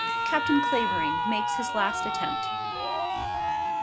CAPTAIN CLAVERING MAKES HIS LAST ATTEMPT.